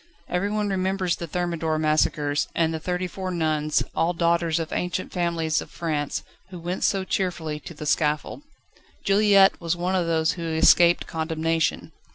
Everyone remembers the Thermidor massacres, and the thirty four nuns, all daughters of ancient families of France, who went so cheerfully to the scaffold. Juliette was one of those who escaped condemnation.